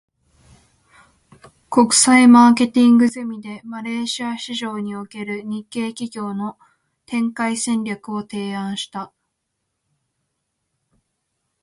国際マーケティングゼミで、マレーシア市場における日系企業の展開戦略を提案した。